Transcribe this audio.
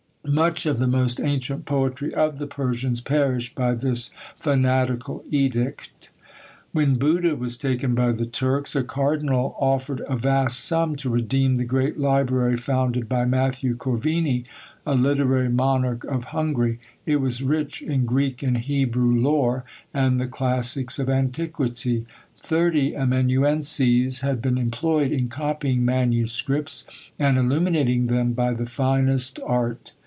Much of the most ancient poetry of the Persians perished by this fanatical edict. When Buda was taken by the Turks, a Cardinal offered a vast sum to redeem the great library founded by Matthew Corvini, a literary monarch of Hungary: it was rich in Greek and Hebrew lore, and the classics of antiquity. Thirty amanuenses had been employed in copying MSS. and illuminating them by the finest art.